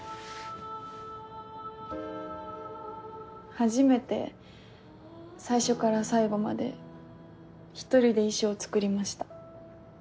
初めて最初から最後まで１人で衣装を作りました。